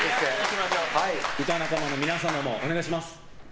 歌仲間の皆様も、お願いします。